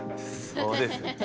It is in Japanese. そうです。